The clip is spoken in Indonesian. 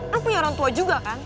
kan punya orang tua juga kan